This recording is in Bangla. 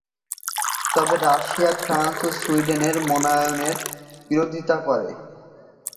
তবে রাশিয়া ফ্রান্স ও সুইডেনের মনোনয়নের বিরোধিতা করে।